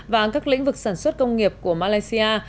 và các lĩnh vực sản xuất công nghiệp của malaysia